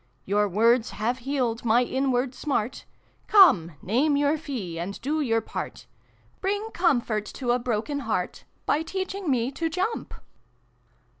Your words have healed my inward smart Come, name your fee and do your part : Bring comfort to a broken heart, By teaching me to jump